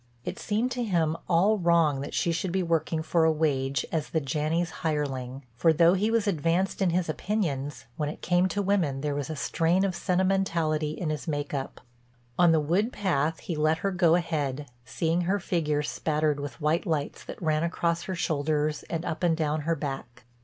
It seemed to him all wrong that she should be working for a wage as the Janneys' hireling, for, though he was "advanced" in his opinions, when it came to women there was a strain of sentimentality in his make up. On the wood path he let her go ahead, seeing her figure spattered with white lights that ran across her shoulders and up and down her back.